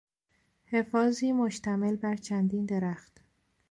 حفاظی مشتمل بر چندین درخت